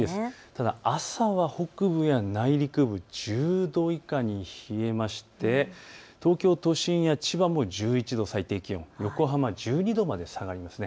ただ朝は北部や内陸部、１０度以下に冷えて東京都心や千葉も１１度、横浜１２度まで下がります。